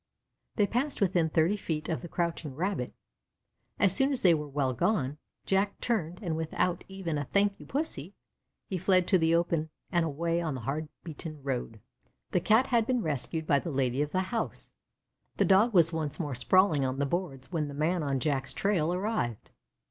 They passed within thirty feet of the crouching Rabbit. As soon as they were well gone, Jack turned, and with out even a "Thank you, Pussy," he fled to the open and away on the hard beaten road. The Cat had been rescued by the lady of the house; the Dog was once more sprawling on the boards when the man on Jack's trail arrived.